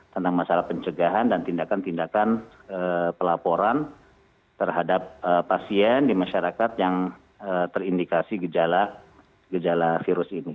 tentang masalah pencegahan dan tindakan tindakan pelaporan terhadap pasien di masyarakat yang terindikasi gejala virus ini